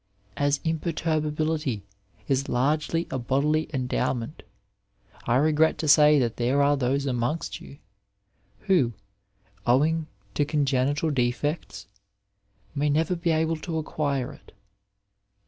As imperturbability is largely a bodily endowment, I regret to say that there are those amongst you, who, owing to congenital defects, may never be able to acquire it.